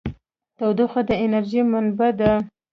تودوخه د انرژۍ منبع ده.